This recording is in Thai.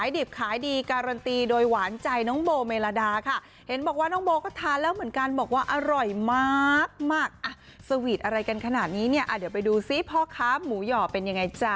ดิบขายดีการันตีโดยหวานใจน้องโบเมลาดาค่ะเห็นบอกว่าน้องโบก็ทานแล้วเหมือนกันบอกว่าอร่อยมากมากสวีทอะไรกันขนาดนี้เนี่ยเดี๋ยวไปดูซิพ่อค้าหมูหย่อเป็นยังไงจ๊ะ